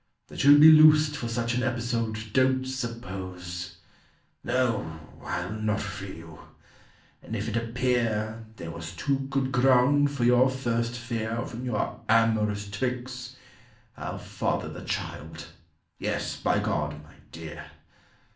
That you'll be loosed For such an episode, don't suppose! "No: I'll not free you. And if it appear There was too good ground for your first fear From your amorous tricks, I'll father the child. Yes, by God, my dear.